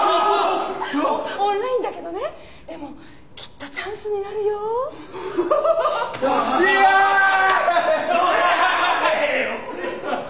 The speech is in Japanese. オンラインだけどねでもきっとチャンスになるよ。来た。